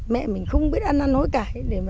làm không kể tính ngày giờ